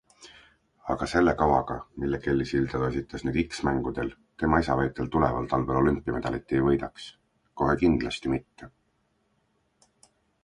Aga selle kavaga, mille Kelly Sildaru esitas nüüd X-mängudel, tema isa väitel tuleval talvel olümpiamedalit ei võidaks, kohe kindlasti mitte.